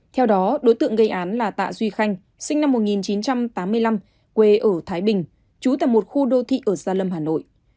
theo đó đối tượng gây án là tạ duy khanh sinh năm một nghìn chín trăm tám mươi năm quê ở thái bình trú tại một khu đô thị ở gia lâm hà nội